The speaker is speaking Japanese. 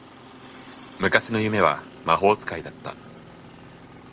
昔の夢は魔法使いだった